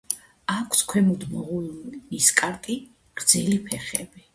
აქვს ქვემოთ მოღუნული ნისკარტი, გრძელი ფეხები.